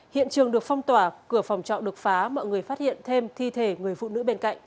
hiện trường được phong tỏa cửa phòng trọ được phá mọi người phát hiện thêm thi thể người phụ nữ bên cạnh